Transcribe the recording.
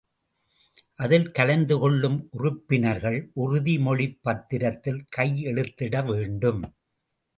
அதில் கலந்து கொள்ளும் உறுப்பினர்கள் உறுதிமொழிப் பத்திரத்தில் கையெழுத்திட வேண்டும்.